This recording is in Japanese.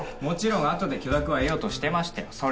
もちろんあとで許諾は得ようとしてましたよ。